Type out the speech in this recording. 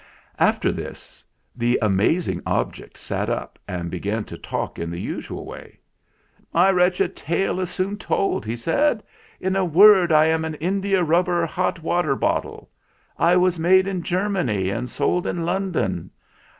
After this amazing object sat up and began to talk in the usual way. "My wretched tale is soon told," he said. "In a word, I am an india rubber hot water bot tle. I was made in Germany and sold in Lon don.